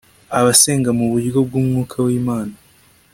abasenga mu buryo bw Umwuka w Imana